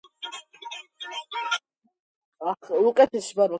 რაიონის დედაქალაქია ქალაქი ბრნო.